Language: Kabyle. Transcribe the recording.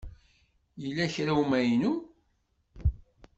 Yella kra n umaynu?